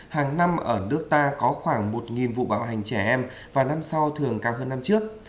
hàng năm ở nước ta có khoảng một vụ bạo hành trẻ em và năm sau thường cao hơn năm trước